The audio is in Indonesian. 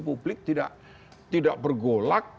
publik tidak bergolak